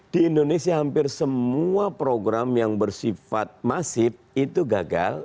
di indonesia hampir semua program yang bersifat masif itu gagal